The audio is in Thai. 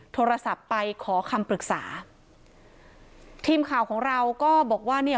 โทรศัพท์ไปขอคำปรึกษาทีมข่าวของเราก็บอกว่าเนี่ย